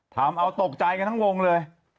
ทำเอาตกใจกันทั้งวงเลย